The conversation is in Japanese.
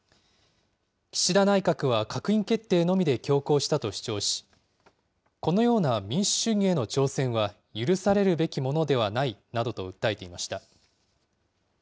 岸田内閣は閣議決定のみで強行したと主張し、このような民主主義への挑戦は許されるべきものではないなどと訴えていました。